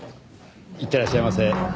いってらっしゃいませ。